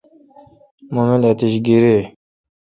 مہ مل اتیش گیریی۔